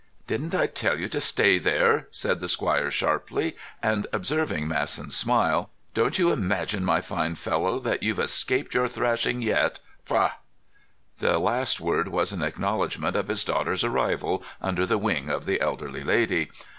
"Didn't I tell you to stay there?" said the squire sharply; and, observing Masson's smile, "Don't you imagine, my fine fellow, that you've escaped your thrashing yet. Ha!" The last word was an acknowledgment of his daughter's arrival under the wing of the elderly lady.